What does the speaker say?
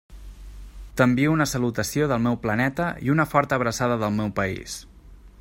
T'envie una salutació del meu planeta i una forta abraçada del meu país.